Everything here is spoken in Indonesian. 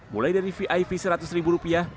mulai dari vip seratus ribu rupiah